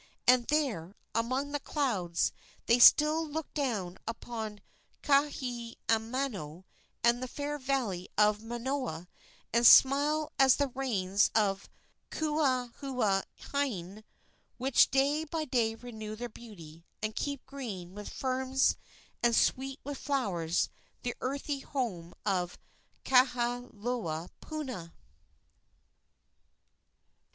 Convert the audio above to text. And there, among the clouds, they still look down upon Kahaiamano and the fair valley of Manoa, and smile at the rains of Kauahuahine, which day by day renew their beauty, and keep green with ferns and sweet with flowers the earthly home of Kahalaopuna.